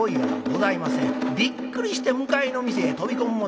びっくりして向かいの店へ飛び込む者